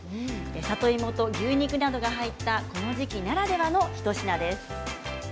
里芋と牛肉などが入ったこの時期ならではの一品です。